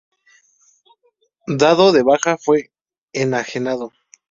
Dado de baja, fue enajenado.